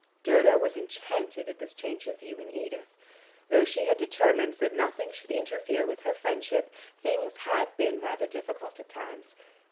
Dodo was enchanted at this change of view in Edith. Though she had determined that nothing should interfere with her friendship, things had been rather difficult at times.